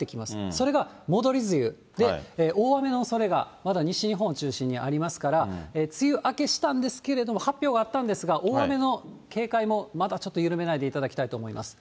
それが戻り梅雨で、大雨のおそれがまだ西日本を中心にありますから、梅雨明けしたんですけれども、発表があったんですが、大雨の警戒もまだちょっと緩めないでいただきたいと思います。